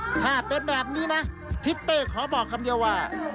ถ้าเป็นแบบนี้นะทิศเป้ขอบอกคำเดียวว่า